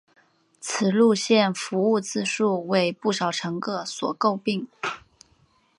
此路线服务质素为不少乘客所诟病。